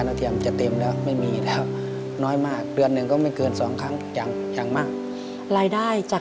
ได้ยินกี่ครั้งกี่ครั้งก็น้ำตาไหลเนอะ